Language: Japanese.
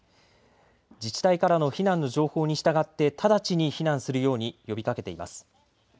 自治体からの避難の情報に従って直ちに避難するように呼びかけています。